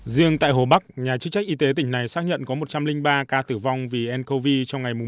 riêng tại hồ bắc nhà chức trách y tế tỉnh này xác nhận có một trăm linh ba ca tử vong vì ncov trong ngày